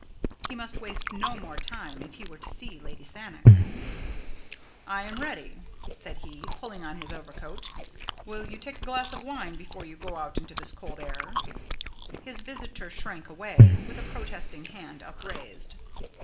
He must waste no more time if he were to see Lady Sannox. "I am ready," said he, pulling on his overcoat. "Will you take a glass of wine before you go out into this cold air?" His visitor shrank away, with a protesting hand upraised.